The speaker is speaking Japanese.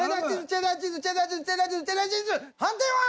判定は？